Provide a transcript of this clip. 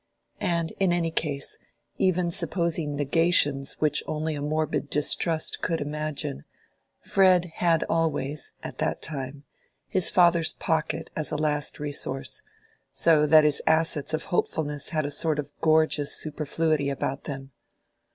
And in any case, even supposing negations which only a morbid distrust could imagine, Fred had always (at that time) his father's pocket as a last resource, so that his assets of hopefulness had a sort of gorgeous superfluity about them.